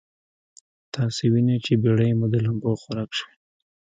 تاسې وينئ چې بېړۍ مو د لمبو خوراک شوې.